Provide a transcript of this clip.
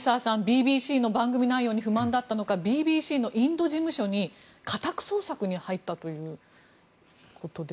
ＢＢＣの番組内容に不満があったのかＢＢＣのインド事務所に家宅捜索に入ったということです。